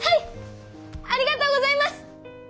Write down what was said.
ありがとうございます！